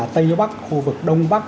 tây bắc khu vực đông bắc